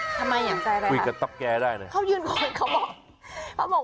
ทำไมอย่างใจอะไรครับ